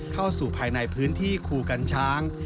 เข้าสู่ภายในพื้นที่คูกัญช้าง